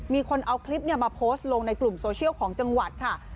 มีคนเอาคลิปมาโพสต์ลงในกลุ่มโซเชียลของจังหวัดค่ะ